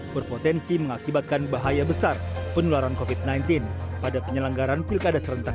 berpotensi mengakibatkan bahaya besar penularan covid sembilan belas pada penyelenggaraan pilkada serentak dua ribu dua puluh